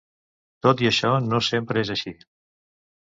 Tot i això, no sempre és així.